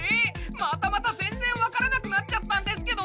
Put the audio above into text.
またまた全然わからなくなっちゃったんですけど！